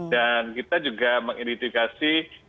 dan kita juga mengidentifikasi